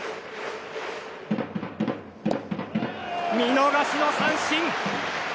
見逃しの三振！